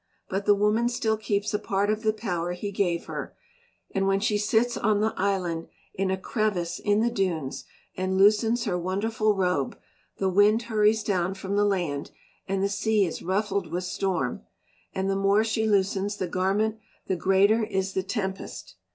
But the woman still keeps a part of the power he gave her, and when she sits on the island in a crevice in the dunes and loosens her wonderful robe, the wind hurries down from the land, and the sea is ruffled with storm; and the more she loosens the garment the greater is the tempest.